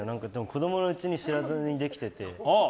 子供のうちに知らずにできてて。